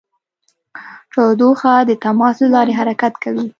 تودوخه د تماس له لارې حرکت کوي.